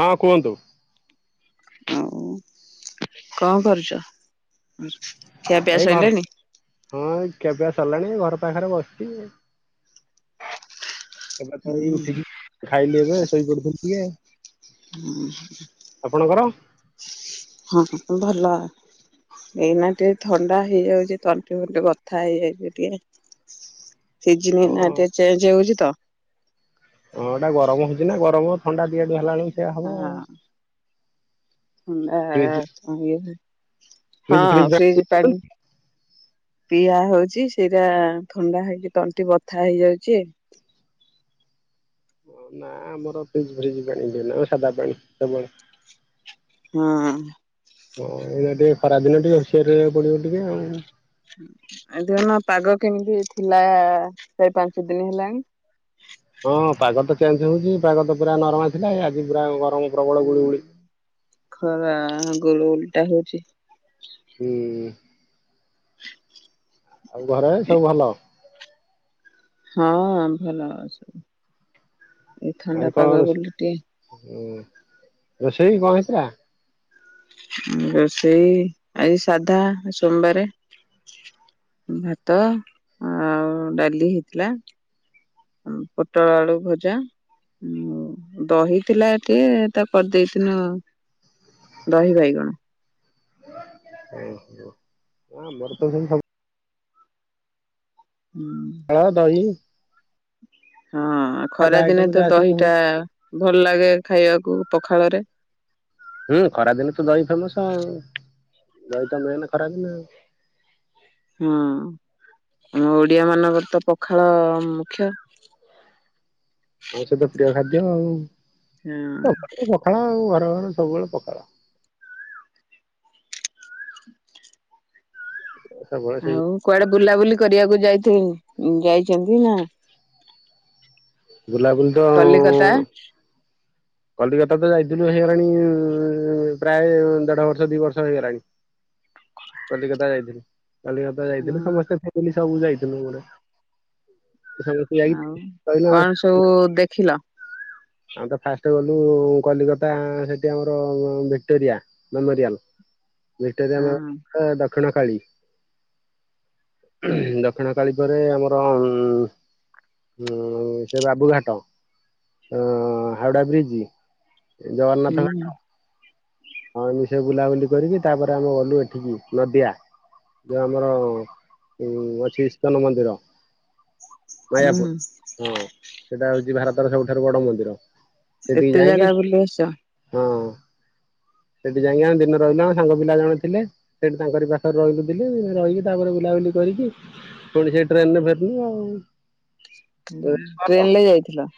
ହଁ କୁହନ୍ତୁ। ଉଁଉଁଉଁ କଣ କରୁଚ? ଏଇ ଘର୍ ହଁ ଖିଆପିଆ ସାରିଲାଣି ଘର୍ ପାଖରେ ବସିଛି ଏବେ ତ ଏଇ ହୁଁ ଉଠିକି ଖାଇଲି ଏବେ ଶୋଇପଡିଥିଲି ଟିକେ ହୁଁ ହୁଁ ଆପଣଙ୍କର ହଁ ଭଲ, ଏଇନା ଟିକେ ଥଣ୍ଡା ହେଇଯାଉଛି ତଣ୍ଟିଫଣ୍ଟି ବଥା ହେଇଯାଇଛି ଟିକେ ସିଜିନି ହଁ ଏଇନା ଟିକେ ଚେଞ୍ଜ୍ ହଉଛି ତ ହଁ ଏଟା ଗରମ ହଉଛି ନା ଗରମ ଥଣ୍ଡା [unintelligible] ହେଲା ବେଳକୁ ସେଇଆ ହବ ହଁ ଆଉ ଫ୍ରିଜ [inaudible] ହଁ ଫ୍ରିଜ ପାଣି ଫ୍ରିଜ ପା ପିଆ ହଉଛି। [unintelligible] ସେଇଟା ଥଣ୍ଡା ହେଇଛି ତଣ୍ଟି ବଥା ହେଇଯାଉଛି। ନା ଆମର ଫ୍ରିଜ ଫ୍ରିଜ ପାଣି ଦିଏ ନା ସାଧା ପାଣି କେବଳ। ହଁ। ହଁ ଏଇ ଟିକେ ଖରାଦିନ ଟିକେ ହୁସିଆର ରହିବାକୁ ପଡିବ ଟିକେ ଆଉ। [unintelligible] ପାଗ କେମିତି ଥିଲା ଶେ ପାଞ୍ଚ ଦିନ ହେଲାଣି। ହଁ ପାଗ ତ ଚେଞ୍ଜ ହଉଛି ପାଗ ତ ପୁରା ନରମା ଥିଲା ଆଜି ପୁରା ଗରମ ପ୍ରବଳ ହଁ ଗୁଳିଗୁଳି ଖରା। ଗୋରୁ ଉଲଟା ହଉଛି। ହୁଁ। ଆଉ ଘରେ ସବୁ ଭଲ। ହଁ ଭଲ ସ ଏଇ ଆଜି ଥଣ୍ଡା କଣ ପାଗ ବୋଲି ଟେ ରୋଷେଇ ରୋଷେଇ କଣ ହେଇ ଥିଲା। ରୋଷେଇ ଆଜି ସାଧା ସୋମବାରେ ଭାତ ଆଉ ଡାଲି ହେଇଥିଲା। ପୋଟଳ ଆଳୁ ଭଜା ଦହି ଥିଲା ଟିକେ ତା କରିଦେଇଥିନୁ ଦହି ବାଇଗଣ। ଓହୋ ମୋର ତ ସେ ହୁଁ ପଖାଳ ଦହି ହଁ ଖରା ସାଧା ଦିନେ ଆଇଟମ ତ ଯାହା ସବୁ ଦହିଟା ହଉଛି। ଭଲ ଲାଗେ ଖାଇବାକୁ ପଖାଳରେ। ହୁଁ ଖରାଦିନେ ତ ଦହି ଫେମସ ଆଉ ଦହି ତ ମିଳେନି ଖରାଦିନ ଆଉ। ହଁ ଆମ ଓଡିଆ ମାନଙ୍କର ତ ପଖାଳ ମୁଖ୍ୟ। ମାଉଷ ତ ପ୍ରିୟ ଖାଦ୍ୟ ଆଉ। ହଁ [unintelligible] ପଖାଳ ଆଉ। ତ ସବୁବେଳେ ପଖା ସବୁବେଳେ ସେଇ ଆଉ କୁଆଡେ ବୁଲାବୁଲି କରିବାକୁ ଯାଇଥିଲି ଯାଇଛନ୍ତି ନା। ବୁଲାବୁଲି ତ କଲିକତା କଲିକତା ତ ଯାଇଥିଲ। ହେଇଗଲାଣି ଇ ପ୍ରାୟ ଦେଢ ବର୍ଷ ଦି ବର୍ଷ ହେଇଗଲାଣି କଲିକତା ଯାଇଥିଲି। କଲିକତା ହଁ ଯାଇଥିଲି ସମସ୍ତେ [unintelligible] ସବୁ ଯାଇ ଥିଲୁ ଗୁଡେ। ସମସ୍ତେ ଯାଇ କହିଲୁ ଆମର ଯୋଉ [inaudible] ଦେଖିଲ? ଆମ ତ ଫାଷ୍ଟ ଗଲୁ କଲିକତା ସେଠି ଆମର ଭିକ୍ଟୋରିଆ ମେମୋରିଆଲ। ଭିକ୍ଟୋରିଆ ହଁ ମେମୋରିଆଲ ତାକୁ ଦକ୍ଷିଣ କାଳୀ ଓହୁ ଦକ୍ଷିଣ କାଳୀ ଆମର ଉ ଉ ସେ ବାବୁଘାଟ। ଅ ହାଉଡା ବ୍ରିଜ। ହୁଁ। ହଁମ ସେଇ ବୁଲାବୁଲି କରିକି ତାପରେ ଆମେ ଗଲୁ ଏଠିକି ନଦିଆ ଯୋଉ ଆମର ଉ ଅଛି ଇସ୍କନ ମନ୍ଦିର। ହୁଁ ମାୟାପୁର ହଁ। ସେଇଟା ହଉଛି ଭାରତର ସବୁଠାରୁ ବଡ ମନ୍ଦିର। ସେଠିକି ଏତେ ଯାଇକି ଜାଗା ବୁଲି ଆସିଛ। ହଁ ସେଠି ଯାଇକି ଆମେ ଦିନେ ରହିଲା ସାଙ୍ଗ ପିଲା ଜଣେ ଥିଲେ ସେଠି ତାଙ୍କରି ପାଖରେ ରହି [unintelligible] କିଥିଲେ ଦିନ ରହିକି ତାପରେ ବୁଲାବୁଲି କରିକି ପୁଣି ସେ ଟ୍ରେନରେ ଫେରିଲୁ ଆଉ। ଟ୍ରେନ ରେ ଯାଇଥିଲ?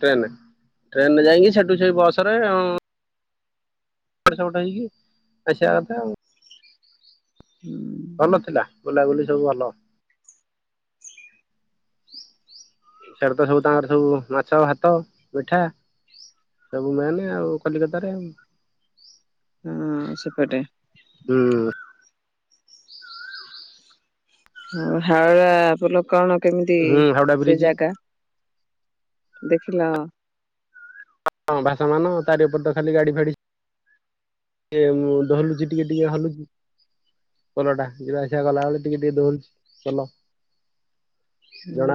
ଟ୍ରେନରେ ଟ୍ରେନରେ ଯାଇକି ସେଠୁ ସେଇ ବସ ରେ ଉଁ। ଏପଟ ସେପଟ ହେଇକି ଆସିବା କଥା। ହୁଁ ଭଲ ଥିଲା ବୁଲାବୁଲି ସବୁ ଭଲ। ସେଟା ତ ସବୁ ତାଙ୍କର ସବୁ ମାଛ ଭାତ ମିଠା ସବୁ ମେନ ଆଉ କଲିକତାରେ। ହଁ ସେପଟେ। ହୁଁ [unintelligible] କେମିତି ହୁଁ ହାଉଡା ସେ ବ୍ରିଜ ଜାଗା? ଦେଖିଲ? ହଁ ହଁ ବାସ ମାନ ତାରି ଉପରେ ତ ଖାଲି ଗାଡ଼ି ଫାଡ଼ି ଈ ଦୋହଲୁଛି ଟିକେ ଟିକେ ହଲୁଛି ପୋଲଟା ଯିବା ଆସିବା କଲାବେଳେ ଟିକେ ଟିକେ ଦୋହଲୁଛି ପୋଲ। ହୁଁ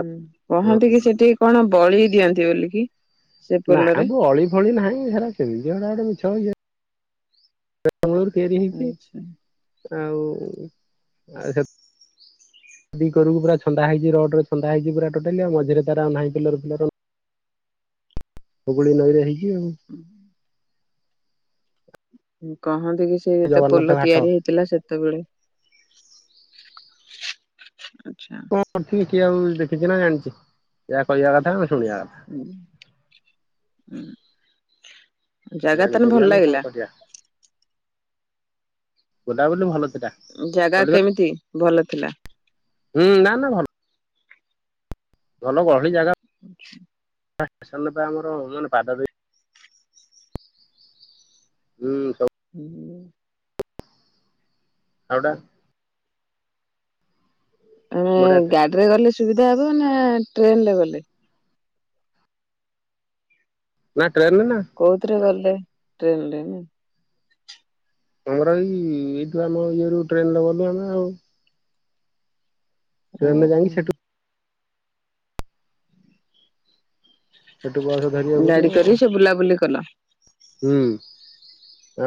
କହନ୍ତି କି ସେଠିକି କଣ ବଳି ି ଆନ୍ତି ବଲ କିି ନା ବଳି ଫଳି ନାହିଁ ସେରା କେମିତି ଗୁଡା ଗୋଟେ ମିଛ [unintelligible] ମୂଲରୁ ତିଆରି ହେଇଛି। ଆଚ୍ଛା। ଆଉ ଆ ଦି କରକୁ ପୁରା ଛନ୍ଦା ହେଇଛି ରଡରେ ଛନ୍ଦା ହେଇଛି ପୁରା ଟୋଟାଲି ଆଉ ମଝିରେ ତାରା ନାହିଁ ପିଲର୍ ହୁଗୁଳି ନଈରେ ହେଇ ହୁଁ। [unintelligible] [unintelligible] ସେ ଯେତେ ଜଗନ୍ନାଥ ପୋଲ ଘାଟ ତିଆରି ହେଇଥିଲା ସେ ସେତେବେଳେ ଆଚ୍ଛା। କଣ କରଥିବେ କିଏ ଆଉ ଦେଖିଛି ନା ଜାଣିଛି ଯାହା କହିବା କଥା କ ହୁଁ ହୁଁ। ଜାଗା ତା ହେଲେ ଭଲ ଲାଗିଲା? ବୁଲା ବୁଲି ଭଲ ଥି ଜାଗା କେମିତି? ଭଲ ଥିଲା। ହୁଁ ନା ନା ଭଲ। ଭଲ ଗହଳି ଜାଗା। [inaudible] ହେ ସେଲେପେ ଆମର ମାନେ ପାଦା ବି ହୁଁ ହୁଁ। ଆଉଟା ଆମେ ବଢିଆ ଥିଲା ଗାଡିରେ ଗଲେ ସୁବି [unintelligible] ନା ଟ୍ରେନରେ ଗଲେ? [unintelligible] କଉଥିଲରେ ଗଲ ହେ ଟ୍ରେନରେ ଆମର ଏଇ ଏଇଠୁ ଆମ ଇଏ ରୁ ଟ୍ରେନରେ ଗଲୁ ଆମେ ଆଉ। ଟ୍ରେନରେ ଯାଇକି ଓହୋ। ସେଠୁ ସେଠୁ ବସ ଧରିବାକୁ ପଡିବ ଗାଡି କରି ସେ ବୁଲାବୁଲି କଲ? ହୁଁ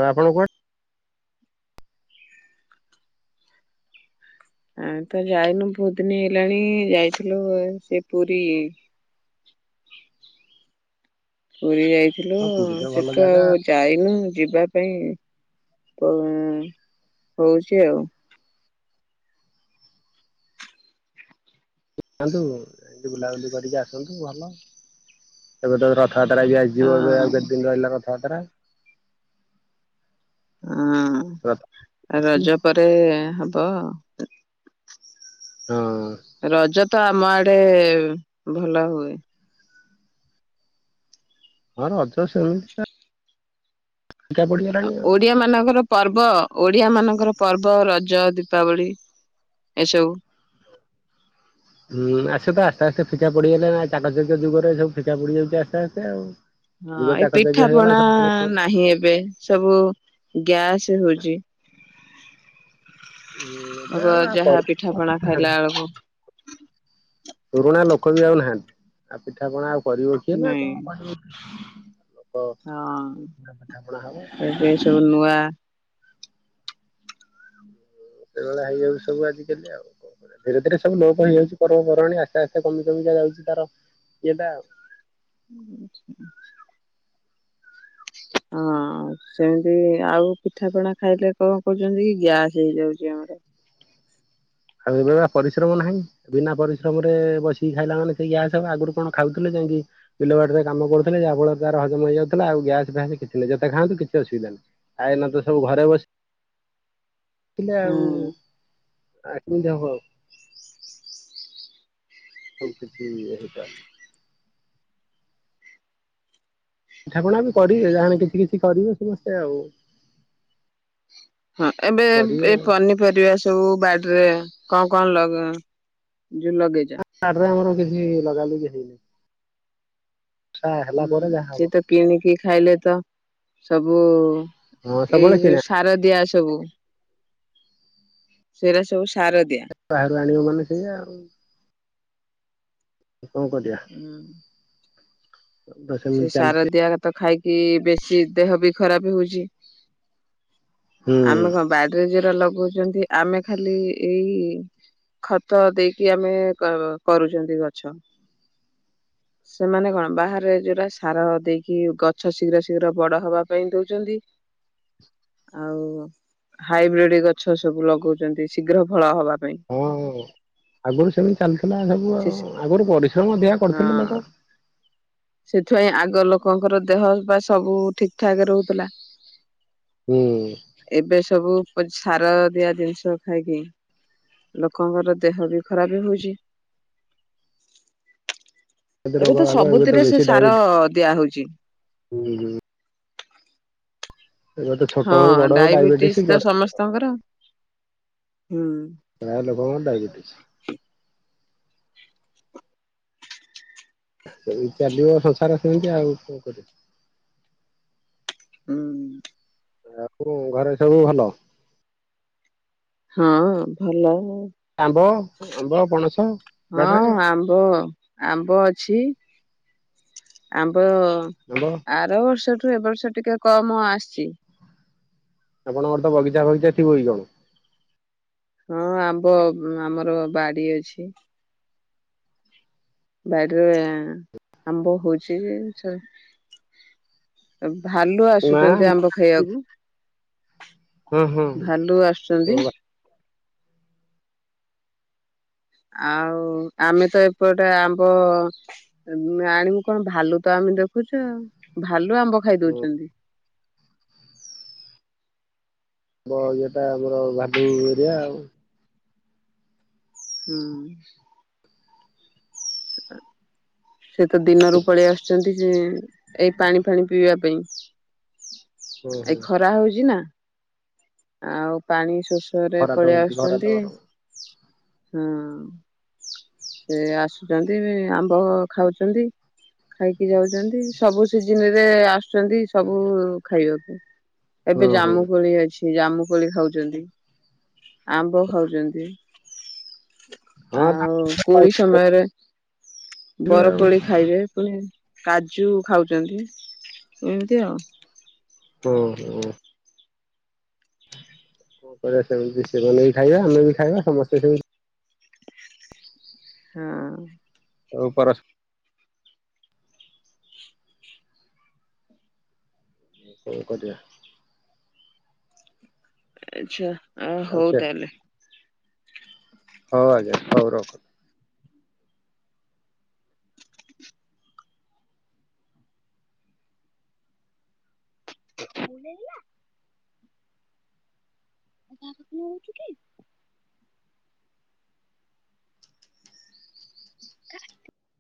ଆପଣ କୁଆ ଆମ ତ ଯାଇନୁ ବହୁତ ଦିନ ହେଲାଣି ଯାଇଥିଲୁ ସେ ପୁରୀ ପୁରୀ ଯାଇ ଥିଲୁ ହଁ ପୁରୀ ତ ଭଲ ସେଠୁ ଜାଗା ଆଉ ଯାଇନୁ ଯିବା ପାଇଁ କଉ ହଉଛି ଆଉ। ଯାନ୍ତୁ ବୁଲାବୁଲି କରିକି ଆସନ୍ତୁ ଭଲ ଏବେ ତ ପୁରା ରଥଯାତ୍ରା ଆସିଯିବ ଏବେ ହଁ ଆଉ କେତେ ଦିନ ରହିଲା ରଥଯାତ୍ରା ରଥ ହଁ ରଜ ପରେ ହବ ତ ହଁ ରଜ ତ ଆମ ଆଡେ ଭଲ ହୁଏ। ହଁ ରଜ ସେମି ଫିକା ପଡ଼ିଗଲାଣି ଆଉ। ଓଡିଆ ମାନଙ୍କର ପର୍ବ ଓଡିଆ ମାନଙ୍କର ପର୍ବ ରଜ ଦୀପାବଳି ଏସବୁ ହୁଁ ଆସ ତ ଆସ୍ତେ ଆସ୍ତେ ଫିକା ପଡିଗଲେ ନା ଚାକଚକ ଯୁଗରେ ସବୁ ଫିକା ପଡିଯାଉଛି ଆସ୍ତେ ଆସ୍ତେ ଆଉ। ଯୁଗ ହଁ ଏ ଚାକଚକ୍ୟ ହେଇଗଲା ପିଠାପଣା ସବୁ ନାହିଁ ଏବେ ସବୁ ଗ୍ୟାସ ହଉଛି। ଏବେ ଆଗ ଆଉ ଆଉ ଯାହା କରି ପିଠାପଣା ଖାଇଲା ବେଳକୁ ପୁରୁଣା ଲୋକ ବି ଆଉ ନାହାନ୍ତି। ଆ ପିଠା ପିଠା ପଣା ଆଉ କରିବ କିଏ ନା ନାଇଁ କଣ କରିବ କିଏ। ହଁ ପିଠାପଣା ହବ ଏବେ ସବୁ ନୂଆ ସେଇଭଳିଆ ହେଇଯାଉଚି ସବୁ ଆଜିକାଲି ଆଉ କଣ କରିବା ଧୀରେ ଧୀରେ ସବୁ ଲୋପ ହେଇଯାଉଚି ପର୍ବପବାଣି ଆସ୍ତେ ଆସ୍ତେ କମି କମିିକା ଯାଉଛି ତାର ଇଏଟା ଆଉ [inaudible] ହଁ ସେମିତି ଆଉ ପିଠା ପଣା ଖାଇଲେ କଣ କରୁଛନ୍ତି କି ଗ୍ୟାସ୍ ହେଇଯାଉଛି ଆମର ଆଉ ଏବେ ବା ପରିଶ୍ରମ ନାହିଁ ବିନା ପରିଶ୍ରମରେ ଏ ବସିକି ଖାଇଲା ମାନେ ସେଇ ଗ୍ୟାସ୍ ହେବ ଆଗରୁ କଣ ଖାଉଥିଲେ ଯାଇକି ବିଲବାଡ଼ିରେ କାମ କରୁଥିଲେ ଯାହାଫଳରେ ତାର ହଜମ ହେଇଯାଉଥିଲା ଆଉ ଗ୍ୟାସ୍ ଫ୍ୟାସ୍ କିଛି ନାହିଁ ଯେତେ ଖାଆନ୍ତୁ କିଛି ଅସୁବିଧା ନାହିଁ ଆ ଏଇନେତ ସବୁ ଘରେ ବସି ଥିଲେ ଆଉ ହୁଁ ଆ କେମତି ହବ ଆଉ ସବୁ କିିଛି ହେଇଟା ପିଠା ପଣା ବି କରିବେ ଯାହାଲେ କିଛି କିଛି କରିବେ ସମସ୍ତେ ଆଉ। ହଁ ଏବେ କରିବେ ଏ ଆଉ ପନିପରିବା ସବୁ ବାଡିରେ କଣ କଣ ଲଗେଇ ଯୋଉ ଲଗେଇଚ? ବା ବାଡି ରେ ଆମର କି ଛି ଲଗା ଲଗି ହେଇନି। ବର୍ଷା ହେଲା ହୁଁ ପରେ ଯାହା ହବ ସେଏ ତ କିଣିକି ଖାଇଲେ ତ ସବୁ ହଁ ଏଇ ସବୁବେଳେ କିଣା ଯୋଉ ସାରଦିଆ ଜି ସବୁ ସେର ସବୁ ସାର ଦିଆ। ବାହାରୁ ଆଣିବ ମାନେ ସେୟା କଣ କରିବ। ସେ ସାର ଦିଆ ତ ଖାଇକି। କି ବେଶି ଦେହ ବି ଖରାପ ହଉଛି। ହୁଁ ଆମେ କଣ ବାଇରେ ଯେ ଲଗଉଛନ୍ତି ଆମେ ଖାଲି ଏଇ ଖତ ଦେଇକି ଆମେ କର କରୁଛନ୍ତି ଗଛ ସେମାନେ କଣ ବାହାରେ ପା ସାର ଦେଇକି ଗଛ ଶୀଘ୍ର ଶୀଘ୍ର ବଡ ହବା ପାଇଁ ଦଉଛନ୍ତି ଆଉ ହାଇବ୍ରିଡ ଗଛ ସବୁ ଲଗଉଛନ୍ତି ଶୀଘ୍ର ଫଳ ହବା ପା ହଁ ଆଗରୁ ସେମିତି ଚାଲିଥିଲା ସବୁ ସେ ଆଉ ଆଗରୁ ପରିଶ୍ରମ ଅଧିକା କରୁଥିଲେ ହଁ ଲୋକ। ସେଥିପାଇଁ ଆଗ ଲୋକଙ୍କର ଦେହ ପା ସବୁ ଠିକ ଠାକ ରହୁଥିଲା। ହୁଁ ଏବେ ସବୁ [unintelligible] ସାର ଦିଆ ଜିନିଷ ଖାଇକି ଲୋକଙ୍କର ଦେହ ବି ଖରାପ ହଉଛି। ସେ ରୋଗ ବାଗ ଇଏ ଥିରେ ସେ ସାର ଦିଆ ହଉଛି। ହୁଁ ଏବେ ତ ଛୋଟ ହଁ ହଉ ବଡ ହଉ ଡାଇବେଟିସ୍ ଡାଇବେଟିସ ତ ସମସ୍ତଙ୍କର। ହୁଁ ପ୍ରାୟ ଲୋକଙ୍କର ଡାଇବେଟିସ୍। ଚାଲିବ ସଂସାର ସେମିତି ଆଉ କଣ କରିବା। ହୁଁ। ଆକୁର ଘରେ ସବୁ ଭଲ? ହଁ ଭଲ ଉ। ଆମ୍ବ ଆମ୍ବ ପଣସ ବାଡିରେ ହଁ ଆମ୍ବ ଆମ୍ବ ଅଛି। ଆମ୍ୱ ର ଆମ୍ବ ଆର ବର୍ଷ ଠୁ ଠୁ ଏ ବର୍ଷ ଟିକେ କମ ଆସିଛି। ଆପଣଙ୍କର ତ ବଗିଚା ଫଗିଚା। ଥିବ କି କଣ। ହଁ ଆମ୍ବ ଆମର ବାଡି ଅଛି। ବାଡିରେ ଆମ୍ବ ହଉଛି ଚ ଅ ଭାଲୁ ନା ହଁ ଆସୁଛନ୍ତି ଆମ୍ବ ଖାଇବାକୁ ହଁ ଭାଲୁ ଆସୁଛନ୍ତି। ଆଉ ଆମେ ତ ଏପଟେ ଆମ୍ବ ମ ଆଣିବୁ କଣ ଭାଲୁ ତ ଆମେ ଦେଖୁଛୁ ଆଉ ଭାଲୁ ଆମ୍ବ ଖାଇଦଉଛନ୍ତି। ଆମ୍ୱ ଇଏଟା ଆମର ଭାଲୁ ଏରିଆ ଆଉ। ହୁଁ। ଆ। ସେ ତ ଦିନରୁ ପଳେଇ ଆସୁଛନ୍ତି କି ଯେ ଏଇ ପାଣି ଫାଣି ପିଇବା ପାଇଁ। ହଁ ଏ ହଁ ଖରା ହଉଛି ନା। ଆଉ ପାଣି। ଶୋଷରେ ଖରା ତ ପଳେଇ ହଉଛି ଖରା ତ ଆସୁଛନ୍ତି। ଗରମ ହଁ ସେ ଆସୁଛନ୍ତି ବି ଆମ୍ବ। ଖାଉଛନ୍ତି ଖାଇକି ଯାଉଛନ୍ତି ସବୁ ସିଜିନି ରେ ଆସୁ ଆସୁଛନ୍ତି ସବୁ ଖାଇବାକୁ। ଏବେ ହଁ ହଁ ଜାମୁ କୋଳି ଅଛି। ଜାମୁକୋଳି ଖାଉଛନ୍ତି ଆମ୍ବ ଖାଉଛନ୍ତି। ହଁ ଆଉ କୋଳି ସମୟରେ। ଖାଇବେ ଆଉ ବରକୋଳି ଖାଇବେ ପୁଣି। କାଜୁ ଖାଉଛନ୍ତି ଏମିତି ଆଉ। ଓ ହୋ। କଣ କରିବା ସେମିତି ସେମାନେ ବି ଖାଇଆ ଆମେ ବି ଖାଇଆ ସମସ୍ତେ ସେମିତି। ହଁ। ଆଉ ପରସ। ରୋଷଇ କରିବା। ଆଚ୍ଛା। ଆ ଆଉ ହଉ ତାହେଲେ। ହଉ ଆଜ୍ଞା ହଉ ରଖ। [unintelligible] [unintelligible] [inaudible]